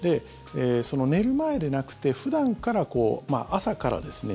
寝る前でなくて普段から、朝からですね